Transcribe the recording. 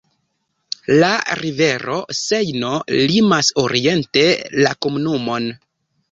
La rivero Sejno limas oriente la komunumon.